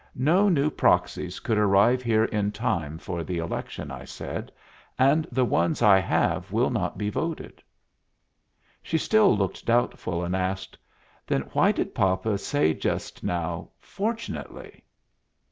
"No new proxies could arrive here in time for the election," I said, "and the ones I have will not be voted." She still looked doubtful, and asked, "Then why did papa say just now, 'Fortunately'?"